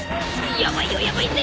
ヤバいよヤバいぜ！